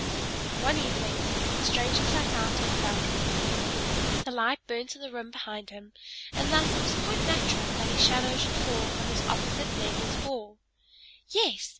One evening the stranger sat out on the balcony. The light burnt in the room behind him; and thus it was quite natural that his shadow should fall on his opposite neighbor's wall. Yes!